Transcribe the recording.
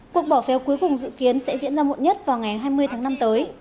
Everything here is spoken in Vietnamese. cuộc bỏ phiếu cuối cùng dự kiến sẽ diễn ra muộn nhất vào ngày hai mươi tháng năm tới